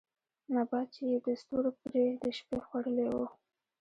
نبات چې يې د ستورو پرې د شپې خـوړلې وو